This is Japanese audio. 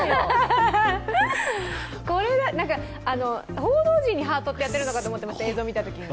報道陣にハートってやってるのかと思いました、映像を見たときに。